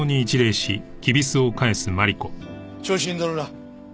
調子に乗るな。